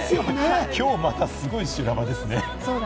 今日またすごい修羅場ですね。